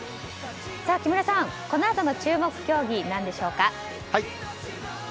木村さん、このあとの注目競技何でしょうか？